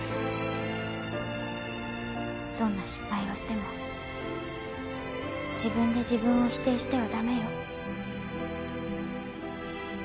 どんな失敗をしても自分で自分を否定しては駄目よ。